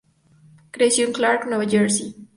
Creció en Clark, Nueva Jersey.